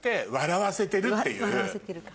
「笑わせてる」か。